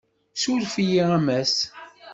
Ssuref-iyi a Mass.